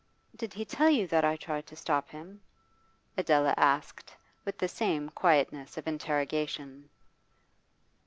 'Did he tell you that I tried to stop him?' Adela asked, with the same quietness of interrogation.